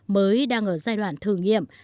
mới đang ở giai đoạn thử nghiệm